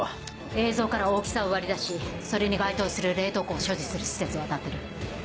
映像から大きさを割り出しそれに該当する冷凍庫を所持する施設を当たってる。